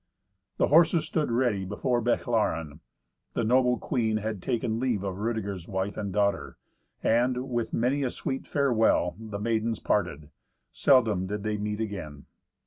The horses stood ready before Bechlaren; the noble queen had taken leave of Rudeger's wife and daughter, and, with many a sweet farewell, the maidens parted; seldom did they meet again.